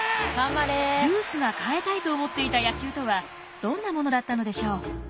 ルースが変えたいと思っていた野球とはどんなものだったのでしょう。